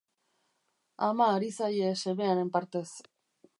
Ama ari zaie semearen partez.